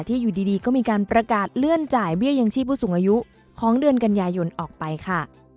อยู่ดีก็มีการประกาศเลื่อนจ่ายเบี้ยยังชีพผู้สูงอายุของเดือนกันยายนออกไปค่ะ